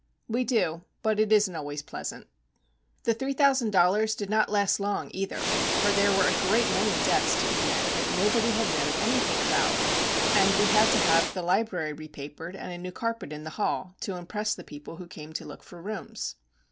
We do; but it isn't always pleasant. The three thousand dollars did not last long, either; for there were a great many debts to be met that nobody had known anything about, and we had to have the library repapered and a new carpet in the hall, to impress the people who came to look for rooms.